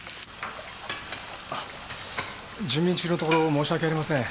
あ準備中のところ申し訳ありません。